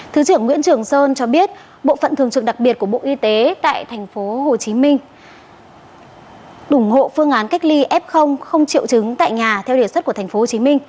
thứ trưởng nguyễn trường sơn cho biết bộ phận thường trực đặc biệt của bộ y tế tại tp hcm ủng hộ phương án cách ly f không triệu chứng tại nhà theo đề xuất của tp hcm